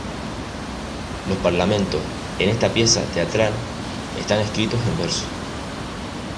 Los parlamentos en esta pieza teatral están escritos en verso.